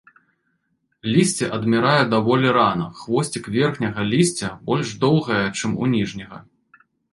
Лісце адмірае даволі рана, хвосцік верхняга лісця больш доўгае, чым у ніжняга.